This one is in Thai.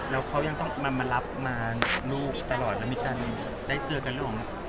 แล้วเขายังต้องมามามาหลับนูกตลอดแล้วมีการได้เจอกัน